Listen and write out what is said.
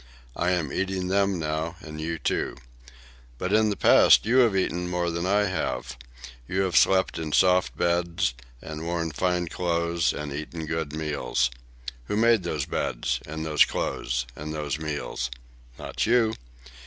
I am eating them now, and you too. But in the past you have eaten more than I have. You have slept in soft beds, and worn fine clothes, and eaten good meals. Who made those beds? and those clothes? and those meals? Not you.